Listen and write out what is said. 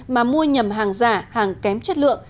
mà mua nhầm hàng giả hàng kém chất lượng